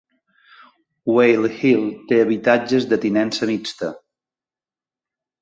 Whale Hill té habitatges de tinença mixta.